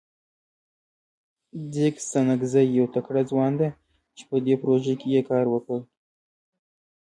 ځیګ ستانکزی یو تکړه ځوان ده چه په دې پروژه کې یې کار کړی.